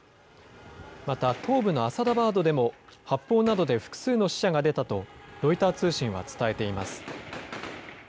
また東部のアサダバードでも、発砲などで複数の死者が出たと、ロイター通信は伝えています。